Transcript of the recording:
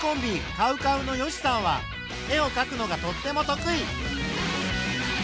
ＣＯＷＣＯＷの善しさんは絵をかくのがとっても得意。